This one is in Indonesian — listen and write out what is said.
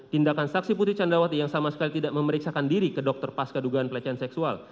tindakan saksi putri candrawati yang sama sekali tidak memeriksakan diri ke dokter pasca dugaan pelecehan seksual